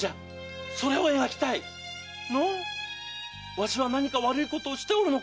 わしは何か悪いことをしておるのか？